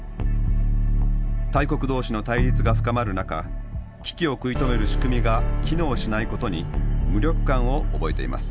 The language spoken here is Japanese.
大国同士の対立が深まる中危機を食い止める仕組みが機能しないことに無力感を覚えています。